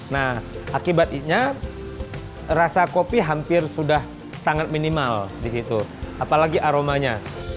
nah akibatnya rasa kopi hampir sudah sangat minimal di situ apalagi aromanya